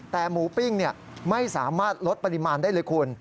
แต่หมูปิ้งไม่สามารถลดปริมาณได้เลยคุณ